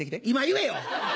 今言えよ！